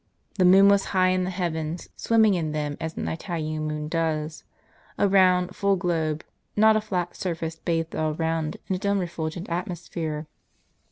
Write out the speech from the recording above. The moon was high in the heavens, swim ming in them, as an Italian moon does ; a round, full globe, not a flat surface, bathed all round in its own refulgent atmos phere.